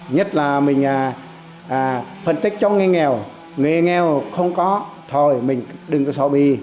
nhất là mình phân tích cho người nghèo người nghèo không có thôi mình đừng có xóa bi